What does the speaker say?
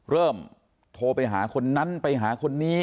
โทรไปหาคนนั้นไปหาคนนี้